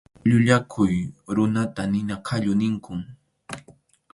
Llullakuq runata nina qallu ninkum.